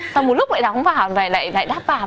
sau một lúc lại đóng vào lại đáp vào